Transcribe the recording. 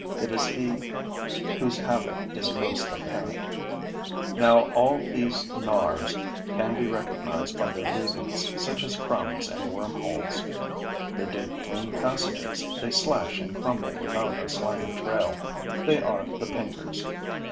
It is he whose havoc is most apparent. Now all these gnawers can be recognized by their leavings, such as crumbs and worm holes. They dig clean passages, they slash and crumble without a slimy trail, they are the pinkers.